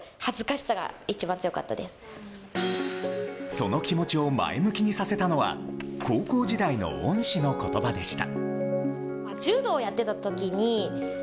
その気持ちを前向きにさせたのは高校時代の恩師の言葉でした。